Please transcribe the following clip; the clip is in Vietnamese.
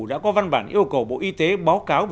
đã có văn bản yêu cầu bộ y tế báo cáo